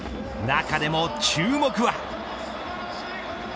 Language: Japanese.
中でも注目は。